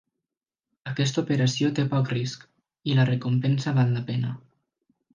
Aquesta operació té poc risc, i la recompensa val la pena.